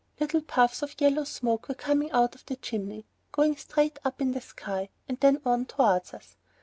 Little puffs of yellow smoke were coming out of the chimney, going straight up in the sky, and then on towards us.